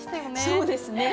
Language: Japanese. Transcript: そうですね。